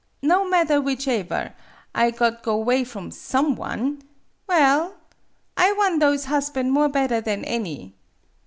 No madder whichever, I got go 'way from some one. Well, I wan' those hosban' more bedder than any.